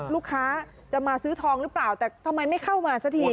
ลูกค้าจะมาซื้อทองหรือเปล่าแต่ทำไมไม่เข้ามาสักที